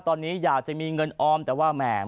ตอนนี้อยากจะมีเงินออมแต่ว่าแหม